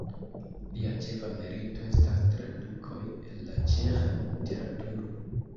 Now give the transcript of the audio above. Lia ĉefa merito estas tradukoj el la ĉeĥa literaturo.